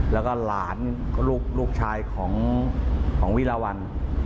แล้วก็หลานลูกชายของวิราวัล